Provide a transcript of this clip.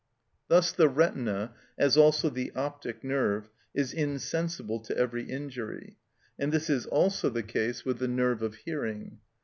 Thus the retina, as also the optic nerve, is insensible to every injury; and this is also the case with the nerve of hearing.